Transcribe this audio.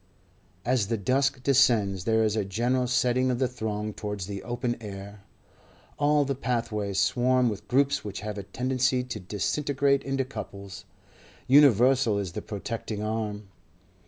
As the dusk descends there is a general setting of the throng towards the open air; all the pathways swarm with groups which have a tendency to disintegrate into couples; universal is the protecting arm.